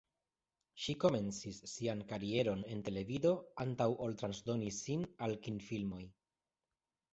Ŝi komencis sian karieron en televido antaŭ ol transdoni sin al kinfilmoj.